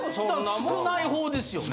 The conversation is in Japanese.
少ない方ですよね？